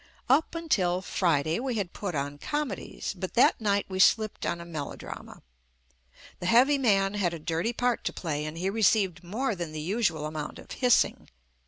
Up until Friday we had put on comedies, but that night we slipped on a melodrama. The heavy man had a dirty part to play and he re ceived more than the usual amount of hissing.